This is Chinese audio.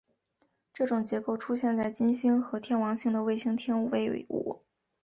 这种结构出现在金星和天王星的卫星天卫五。